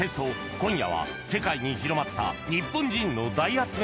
今夜は世界に広まった日本人の大発明